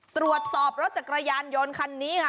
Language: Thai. ตรวจสอบรถจักรยานยนต์คันนี้ค่ะ